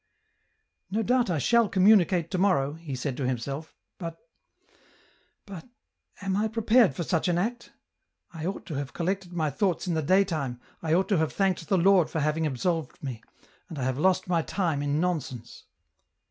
" No doubt I shall communicate to morrow," he said to himself ;'' but ... but ... am I prepared for such an act ? I ought to have collected my thoughts in the day time, I ought to have thanked the Lord for having absolved me, and I have lost my time in nonsense."